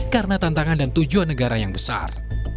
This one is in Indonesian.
karena tantangan dan tujuan negara yang besar